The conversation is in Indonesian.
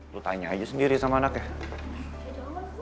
lu tanya aja sendiri sama anaknya